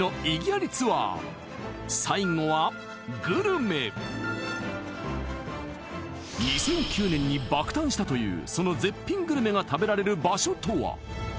アリツアー最後は２００９年に爆誕したというその絶品グルメが食べられる場所とは？